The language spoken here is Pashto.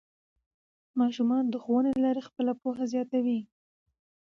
ماشومان د ښوونې له لارې خپله پوهه زیاتوي